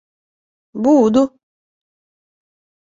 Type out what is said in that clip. — Буду!